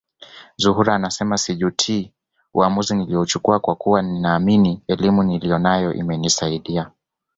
Zuhura anasema sijutii uamuzi niliouchukua kwa kuwa ninaamini elimu niliyonayo imenisaidia